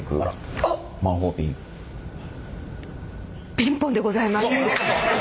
ピンポンでございます。